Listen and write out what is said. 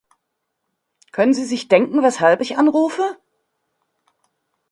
Können Sie sich denken, weshalb ich anrufe?